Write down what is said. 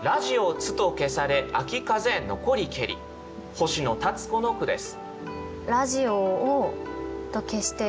星野立子の句です。